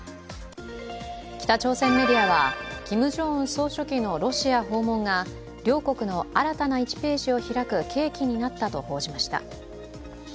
北朝鮮メディアは、キム・ジョンウン総書記のロシア訪問が両国の新たな１ページを開く契機ととなったと報じました。